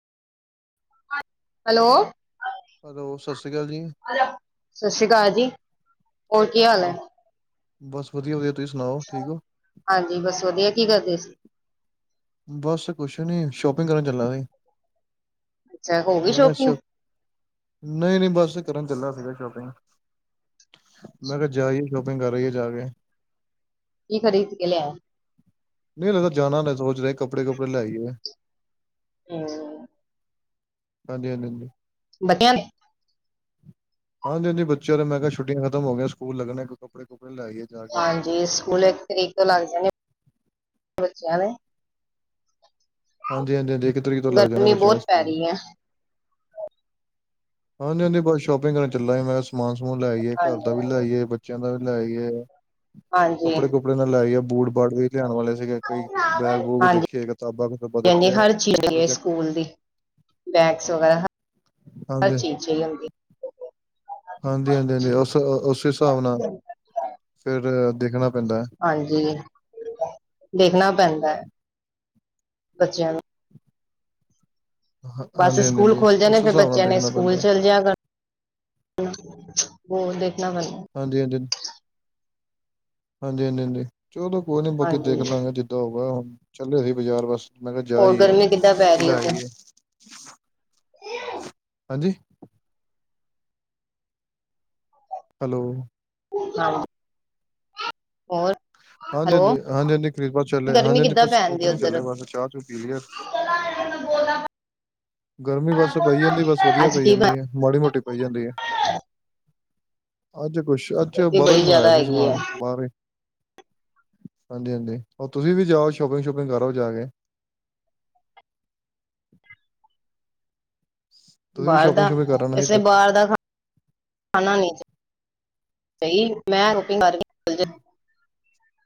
Hello. Hello ਸਤਿ ਸ਼੍ਰੀ ਕਾਲ ਜੀ। ਸਤਿ ਸ਼੍ਰੀ ਅਕਾਲ ਜੀ ਹੋਰ ਕੀ ਹਾਲ ਐ। ਬਸ ਵਧੀਆ ਵਧੀਆ ਤੁਸੀਂ ਸੁਣਾਓ ਠੀਕ ਓ? ਹਾਂਜੀ ਬਸ ਵਧੀਆ ਕੀ ਕਰਦੇ ਸੀ। ਬਸ ਕੁਛ ਨੀ ਸ਼ੋਪਿੰਗ ਕਰਨ ਚੱਲਾ ਸੀ ਅੱਛਾ ਹੋ ਗਈ ਸ਼ੋਪਿੰਗ [unintelligible] ਨਈ ਨਈ, ਬਸ ਕਰਨ ਚੱਲਾ ਸੀਗਾ ਸ਼ੋਪਿੰਗ। ਮੈਂ ਕਿਆ ਜਾਈਏ ਸ਼ੋਪਿੰਗ ਕਰ ਆਈਏ ਜਾ ਕੇ। ਕੀ ਖਰੀਦ ਕੇ ਲਿਆਏ। ਨਈ, ਜਾਣਾ ਨੀ ਸੋਚ ਰਿਆ ਕੱਪੜੇ ਕੁਪੜੇ ਲੈ ਆਈਏ। ਹੂੰ। ਹਾਂਜੀ ਹਾਂਜੀ ਹਾਂਜੀ। ਵਧੀਆ ਨੀ। ਹਾਂਜੀ ਹਾਂਜੀ, ਬੱਚਿਆਂ ਨੂੰ ਮੈਂ ਕਿਆ ਛੁੱਟੀਆਂ ਖਤਮ ਹੋ ਗਈਆਂ ਸਕੂਲ ਲੱਗਣੇ ਕੱਪੜੇ ਕੁੱਪੜੇ ਲਾ ਆਈਏ। ਜਾ ਕੇ ਉਹਨਾਂ ਦੇ ਹਾਂਜੀ, ਸਕੂਲ ਇੱਕ ਤਰੀਕ ਤੋਂ ਲੱਗ ਜਾਣੇ ਬੱਚਿਆਂ ਦੇ। ਹਾਂਜੀ ਹਾਂਜੀ, ਹਾਂਜੀ ਇੱਕ ਤਰੀਕ ਤੋਂ ਲੱਗ ਜਾਣਾ ਗਰਮੀ ਬੱਚਿਆਂ ਦੇ ਬਹੁਤ ਪੈ ਸਕੂਲ। ਰਹੀ ਹੈ ਹਾਂਜੀ ਹਾਂਜੀ, ਬਸ ਸ਼ੋਪਿੰਗ ਕਰਨ ਚੱਲਾਂ ਸੀ ਮੈਂ ਕਿਆ ਸਮਾਨ ਸਮੂਨ ਲੈ ਆਈਏ ਘਰ ਦਾ ਹਾਂਜੀ ਵੀ ਲੈ ਆਈਏ। ਬੱਚਿਆਂ ਦਾ ਵੀ ਲੈ ਆਈਏ ਹਾਂਜੀ ਕੱਪੜੇ ਕੁੱਪੜੇ ਦਾ ਲੈ ਆਈਏ ਬੂਟ ਬਾਟ ਵੀ ਲਿਆਣ ਵਾਲੇ ਸੀਗੇ। ਕਈ ਬੈਗ ਬੂਗ ਹਾਂਜੀ ਦੇਖੀਏ ਕਿਤਾਬਾਂ ਕਤੂਬਾਂ ਹਾਂਜੀ ਦੇਖੇ ਹਰ ਚੀਜ਼ ਹੈ ਪ੍ਰੋਜੈਕਟ ਸਕੂਲ ਦੀ ਬੈਗਸ ਵਗੈਰਾ ਹਰ ਹਾਂਜੀ ਚੀਜ਼ ਚਾਈ ਦੀ ਹੁੰਦੀ। ਹਾਂਜੀ ਹਾਂਜੀ, ਹਾਂਜੀ ਉਸ ਉਸ ਹਿਸਾਬ ਨਾਲ ਫੇਰ ਦੇਖਣਾ ਪੈਂਦਾ। ਹਾਂਜੀ ਦੇਖਣਾ ਪੈਂਦਾ ਬੱਚਿਆਂ ਨੂੰ। ਹਾਂ- ਬਸ ਹਾਂਜੀ ਹਾਂਜੀ ਸਕੂਲ ਹਾਂਜੀ ਖੁੱਲ੍ਹ ਜਾਂਣੇ ਉਸ ਫੇਰ ਹਿਸਾਬ ਨਾਲ ਬੱਚਿਆਂ ਨੇ ਦੇਖਣਾ ਸਕੂਲ ਪੈਂਦਾ ਚੱਲ ਜਿਆ ਕਰ। ਬੋ ਦੇਖਣਾ ਪੈਂਦਾ ਹਾਂਜੀ ਹਾਂਜੀ। ਹਾਂਜੀ ਹਾਂਜੀ, ਹਾਂਜੀ ਚਲੋ ਕੋਈ ਨੀ ਬਾਕੀ ਦੇਖ ਹਾਂਜੀ ਲਾਂਗੇ ਜਿੱਦਾਂ ਹੋਊਗਾ ਹੁਨ ਚੱਲਿਆ ਸੀ ਬਾਜ਼ਾਰ ਬਸ। ਮੈਂ ਕਿਆ ਜਾ ਹੋਰ ਆਈਏ ਗਰਮੀ ਕਿੱਦਾਂ ਪੈ ਰਹੀ ਲੈ ਉੱਧਰ ਆਈਏ। ਹਾਂਜੀ। ਹੈਲੋ। ਹਾਂ। ਔਰ ਹਾਂਜੀ- ਹਾਂਜੀ -ਹਾਂਜੀ- ਹਾਂਜੀ ਖਰੀਦ ਚੱਲੇ ਹਾਂਜੀ- ਗਰਮੀ ਹਾਂਜੀ ਕਿੱਦਾਂ ਬ ਖਰੀਦ ਚੱਲੇ ਬਸ ਚਾਹ ਚ' ਪੀ। ਬਹੁਲ [unintelligible] ਗਰਮੀ ਬਸ ਪਈ ਜਾਂਦੀ ਬਸ ਵਧੀਆ ਅੱਜ ਪਈ ਕੀ ਬਣ ਜਾਂਦੀ ਹੈ। ਮਾੜੀ- ਮੋਟੀ ਪਈ ਜਾਂਦੀ ਹੈ। ਅੱਜ ਕੁਛ, ਅੱਜ ਇੱਥੇ ਬਾਹਰੋਂ ਹੀ ਬੜੀ ਜ਼ਿਆਦਾ ਮੰਗਵਾਇਆ ਸੀ ਹੈਗੀ ਹੈ ਸਮਾਨ, ਬਾਹਰੋਂ। ਹਾਂਜੀ- ਹਾਂਜੀ। ਹੋਰ ਤੁਸੀਂ ਵੀ ਜਾਓ ਸ਼ੋਪਿੰਗ- ਸ਼ੋਪਿੰਗ ਕਰੋ ਜਾ ਕੇ। ਤੁਸੀਂ ਵੀ ਬਾਹਰ ਸ਼ੋਪਿੰਗ ਦਾ, ਸ਼ੋਪਿੰਗ ਕਰਨ ਸੀ ਇਸੇ ਬੱਚੇ ਬਾਹਰ ਦਾ ਖਾ ਖਾਣਾ ਨਹੀ। ਮੈਂ ਰੋਟੀ ਕਰ